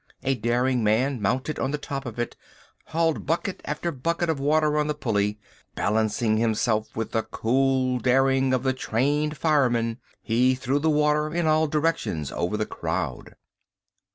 A daring man mounted on the top of it, hauled bucket after bucket of water on the pulley. Balancing himself with the cool daring of the trained fireman, he threw the water in all directions over the crowd.